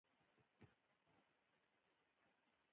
زه ستاسو سره یم